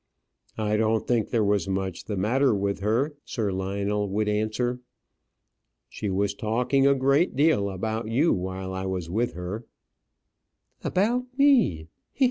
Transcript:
"I don't think there was much the matter with her," Sir Lionel would answer. "She was talking a great deal about you while I was with her." "About me; he!